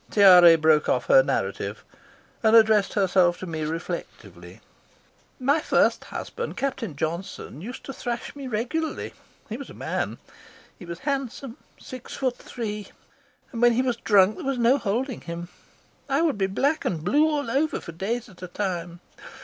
Tiare broke off her narrative and addressed herself to me reflectively. "My first husband, Captain Johnson, used to thrash me regularly. He was a man. He was handsome, six foot three, and when he was drunk there was no holding him. I would be black and blue all over for days at a time.